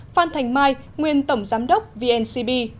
phan thành mai nguyên tổng giám đốc vncb